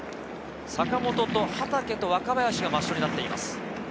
坂本と畠と若林が抹消になっています。